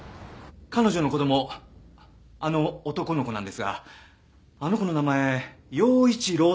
彼女の子供あの男の子なんですがあの子の名前耀一郎っていうんです。